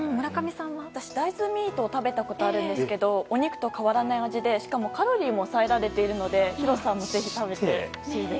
私は大豆ミートを食べたことあるんですがお肉と変わらない味でしかもカロリーも抑えられているので弘さんもぜひ食べてほしいです。